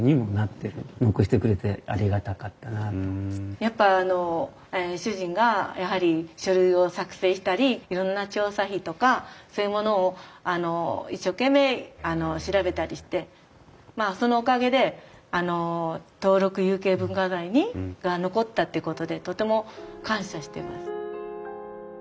やっぱ主人がやはり書類を作成したりいろんな調査費とかそういうものを一生懸命調べたりしてまあそのおかげであの登録有形文化財に残ったっていうことでとても感謝してます。